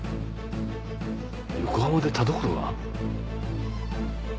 横浜で田所が？